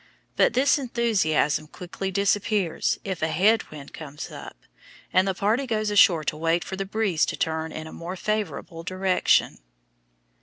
But this enthusiasm quickly disappears if a head wind comes up, and the party goes ashore to wait for the breeze to turn in a more favorable direction.